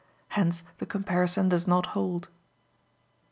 Hence the comparison does not hold.